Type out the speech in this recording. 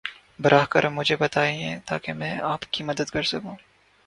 براہ کرم مجھے بتائیں تاکہ میں آپ کی مدد کر سکوں۔